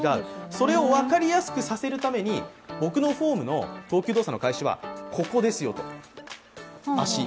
それを分かりやすくさせるために、僕のフォームの投球動作の開始はここですよと、足。